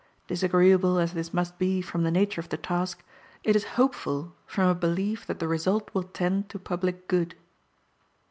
Disagreeable as this must be from the nature of the task, it is hopeful from a belief that the result will tend to public good.